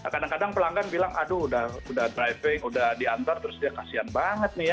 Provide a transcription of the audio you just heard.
kadang kadang pelanggan bilang aduh udah driving udah diantar terus dia kasian banget nih ya